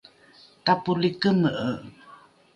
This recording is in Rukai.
tapoli keme’e